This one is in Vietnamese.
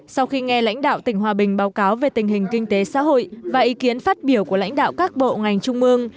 sau khi nghe lãnh đạo tỉnh hòa bình báo cáo về tình hình kinh tế xã hội và ý kiến phát biểu của lãnh đạo các bộ ngành trung mương